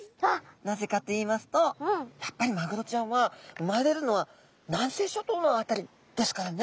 なぜかといいますとやっぱりマグロちゃんは生まれるのは南西諸島の辺りですからねちゃんとですね